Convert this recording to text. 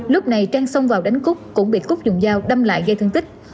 lúc này trang xông vào đánh cúc cũng bị cúc dùng dao đâm lại gây thương tích